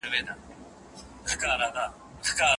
که د سهار ورک ماښام کور ته راسي هغه ورک نه دئ.